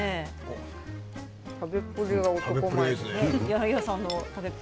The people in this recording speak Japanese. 食べっぷりが男前。